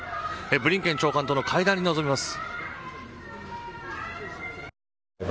ブリンケン長官との会談に臨みます。